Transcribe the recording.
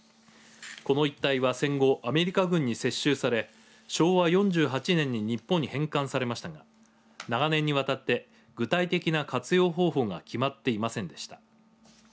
この一帯は戦後アメリカ軍に接収され昭和４８年に日本に返還されましたが長年にわたって具体的な活用方法が決まっていませんでした。